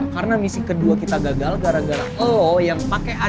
karena misi kedua kita gagal gara gara lo yang pake acara acara tuh makin keras ya